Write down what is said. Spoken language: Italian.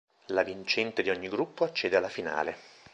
La vincente di ogni gruppo accede alla finale.